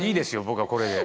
僕はこれで。